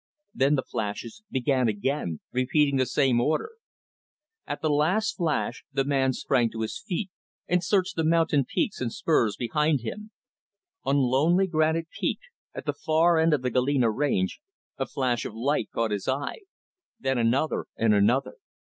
Then the flashes began again, repeating the same order: . At the last flash, the man sprang to his feet, and searched the mountain peaks and spurs behind him. On lonely Granite Peak, at the far end of the Galena Range, a flash of light caught his eye then another and another.